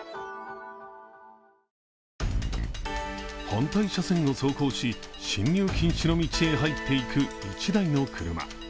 反対車線を走行し、進入禁止の道へ入っていく１台の車。